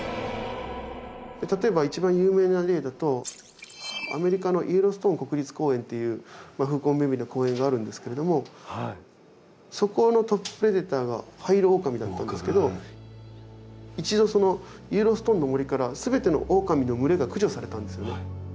例えば一番有名な例だとアメリカのイエローストーン国立公園っていう風光明美な公園があるんですけれどもそこのトッププレデターがハイイロオオカミだったんですけど一度そのイエローストーンの森から全てのオオカミの群れが駆除されたんですよね。